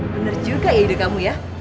bener juga ya ide kamu ya